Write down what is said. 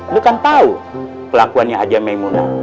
lu kan tau kelakuannya aja mengguna